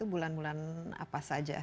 bulan bulan apa saja